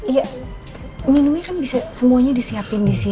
iya minumnya kan bisa semuanya disiapin disini